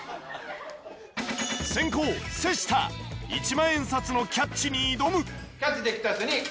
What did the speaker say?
先攻瀬下１万円札のキャッチに挑む。